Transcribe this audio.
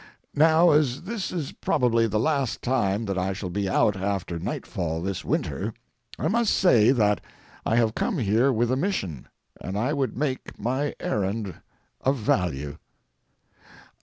Now, as this is probably the last time that I shall be out after nightfall this winter, I must say that I have come here with a mission, and I would make my errand of value.